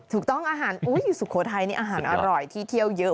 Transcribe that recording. อาหารสุโขทัยนี่อาหารอร่อยที่เที่ยวเยอะ